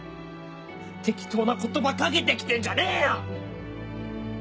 適当な言葉かけてきてんじゃねえよ！